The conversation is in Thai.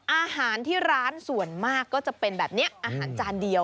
อาหารที่ร้านส่วนมากก็จะเป็นแบบนี้อาหารจานเดียว